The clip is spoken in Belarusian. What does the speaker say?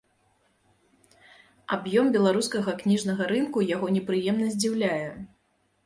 Аб'ём беларускага кніжнага рынку яго непрыемна здзіўляе.